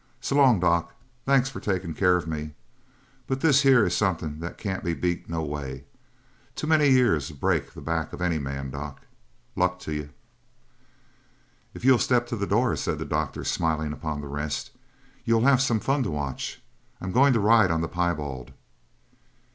S'long, doc thanks for takin' care of me. But this here is something that can't be beat no way. Too many years'll break the back of any man, doc. Luck to ye!" "If you'll step to the door," said the doctor, smiling upon the rest, "you'll have some fun to watch. I'm going to ride on the piebald."